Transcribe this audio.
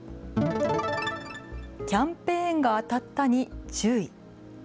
キャンペーンが当たったに注意。